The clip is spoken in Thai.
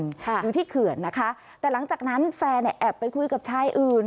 ค่ะอยู่ที่เขื่อนนะคะแต่หลังจากนั้นแฟนเนี่ยแอบไปคุยกับชายอื่น